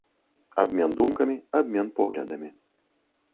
Абмен думкамі, абмен поглядамі.